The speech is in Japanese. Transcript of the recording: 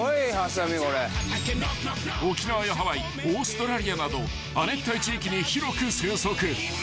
［沖縄やハワイオーストラリアなど亜熱帯地域に広く生息］